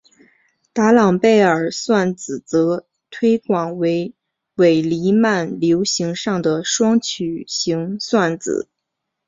达朗贝尔算子则推广为伪黎曼流形上的双曲型算子。